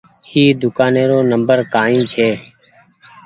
ايِ دوڪآني رو نمبر ڪآئي ڇي۔